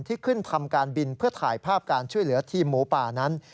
ที่ขึ้นทำการบินเพื่อถ่ายภาพการช่วยเหลือทีมหมูป่านั้น